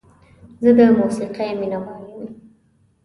زه د موسیقۍ مینه وال یم.